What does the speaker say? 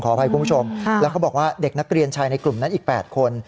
อภัยคุณผู้ชมแล้วเขาบอกว่าเด็กนักเรียนชายในกลุ่มนั้นอีก๘คน